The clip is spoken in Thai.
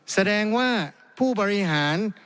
แสดงว่าผู้บริหาร